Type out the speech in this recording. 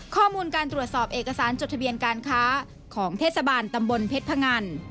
ข้อมูลการตรวจสอบเอกสารจดทะเบียนการค้าของเทศบาลตำบลเพชรพงัน